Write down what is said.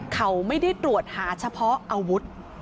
เขาไม่ได้ตรวจหาเฉพาะอาวุธ